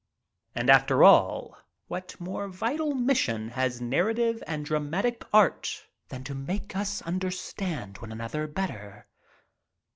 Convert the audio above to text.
And after all what more vital mission has narrative and dramatic art than to make us understand one another better?